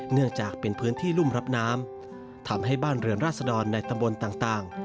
เนื่องจากเป็นพื้นที่รุ่มรับน้ำทำให้บ้านเรือนราษดรในตำบลต่าง